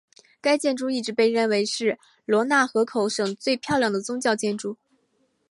该建筑一直被认为是罗讷河口省最漂亮的宗教建筑。